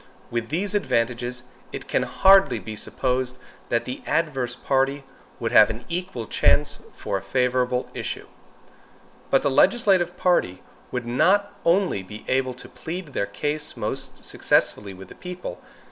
With these advantages, it can hardly be supposed that the adverse party would have an equal chance for a favorable issue. But the legislative party would not only be able to plead their cause most successfully with the people.